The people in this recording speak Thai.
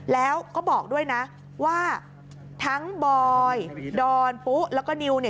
แล้วก็บอกด้วยนะว่าทั้งบอยดอนปุ๊แล้วก็นิวเนี่ย